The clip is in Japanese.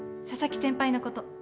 佐々木先輩のこと。